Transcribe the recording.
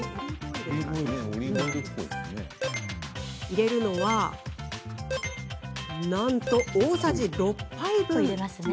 入れるのはなんと大さじ６杯分。